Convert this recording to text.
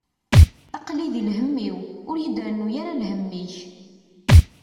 Aql-i di lhemm-iw, ur yi-d-rennu ara lhemm-ik.